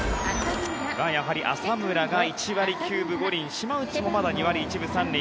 やはり浅村が１割９分５厘島内も２割１分３厘。